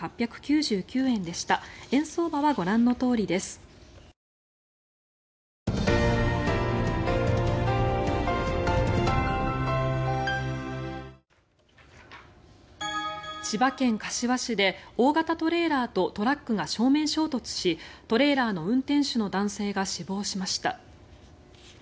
来週以降日本海やオホーツク沿岸でも千葉県柏市で大型トレーラーとトラックが正面衝突しトレーラーの運転手の男性が死亡しました。